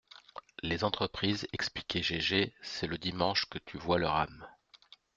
Les entreprises, expliquait Gégé, c’est le dimanche que tu vois leur âme